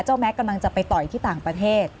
แม็กซกำลังจะไปต่อยที่ต่างประเทศ